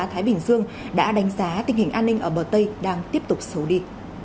hình dương đã đánh giá tình hình an ninh ở bờ tây đang tiếp tục xấu đi